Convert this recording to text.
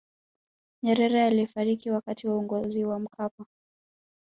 nyerere alifariki wakati wa uongozi wa mkapa